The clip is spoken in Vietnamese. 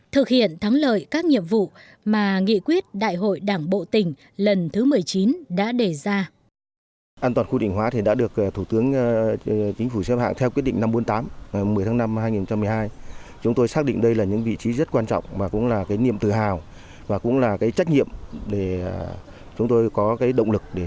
thực hiện thắng lợi các nhiệm vụ mà nghị quyết đại hội đảng bộ tỉnh lần thứ một mươi chín